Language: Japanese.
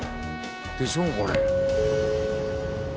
でしょうこれ。